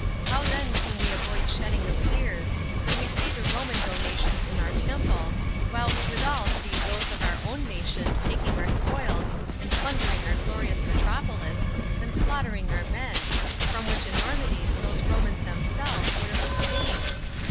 How then can we avoid shedding of tears, when we see the Roman donations in our temple, while we withal see those of our own nation taking our spoils, and plundering our glorious metropolis, and slaughtering our men, from which enormities those Romans themselves would have abstained?